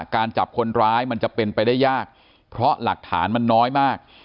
จับคนร้ายมันจะเป็นไปได้ยากเพราะหลักฐานมันน้อยมาก